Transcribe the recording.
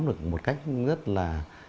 được một cách rất là